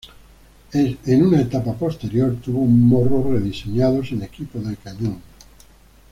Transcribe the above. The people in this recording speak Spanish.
En una etapa posterior tuvo un morro rediseñado sin equipo de cañón.